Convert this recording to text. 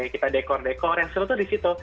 kita dekor dekor yang seru itu di situ